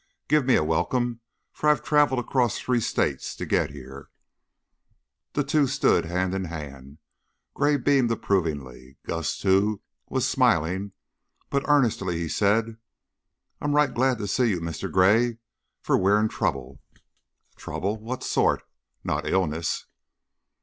Give me a welcome, for I've traveled across three states to get here." The two stood hand in hand. Gray beamed approvingly. Gus, too, was smiling, but earnestly he said, "I'm right glad to see you, Mr. Gray, for we're in trouble." "Trouble? What sort? Not illness?"